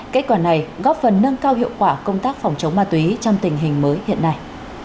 kết quả này góp phần nâng cao hiệu quả công tác phòng chống ma túy trong tình hình mới hiện nay